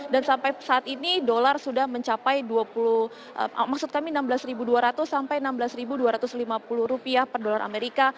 dan sampai saat ini dolar sudah mencapai enam belas dua ratus sampai enam belas dua ratus lima puluh rupiah per dolar amerika